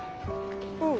うん。